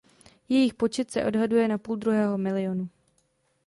Jejich počet se odhaduje na půldruhého milionu.